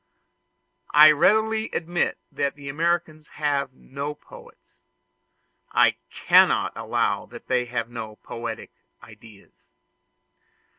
I readily admit that the Americans have no poets; I cannot allow that they have no poetic ideas.